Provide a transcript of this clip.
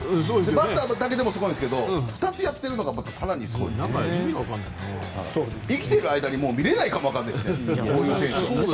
バッターだけでもすごいんですが２つやっているのがまた更にすごい。生きている間に見れないかもわからないです。